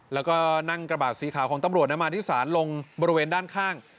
แล้วก็นั่งกระบาดสีขาวของตำรวจมาที่ศาลลงบริเวณด้านข้าง